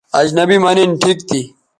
اجنبی مہ نِن ٹھیک تھی